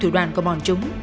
thủ đoàn của bọn chúng